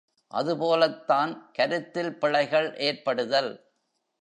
அதுபோலத்தான் கருத்தில் பிழைகள் ஏற்படுதல்.